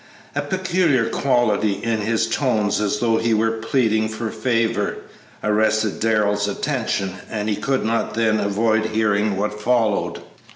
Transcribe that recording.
A peculiar quality in his tones, as though he were pleading for favor, arrested Darrell's attention, and he could not then avoid hearing what followed.